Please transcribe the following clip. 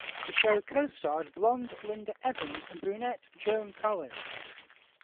The show co-starred blonde Linda Evans and brunette Joan Collins.